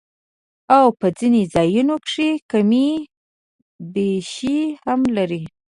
او پۀ ځنې ځايونو کښې کمی بېشی هم لري